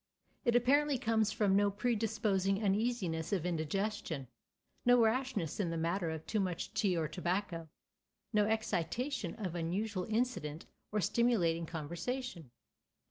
It apparently comes from no predisposing uneasiness of indigestion, no rashness in the matter of too much tea or tobacco, no excitation of unusual incident or stimulating conversation.